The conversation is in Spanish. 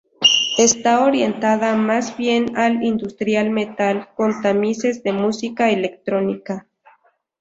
Está orientada más bien al industrial metal con tamices de música electrónica.